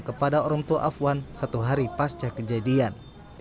kepada orang tua afwan satu hari pasca kejadian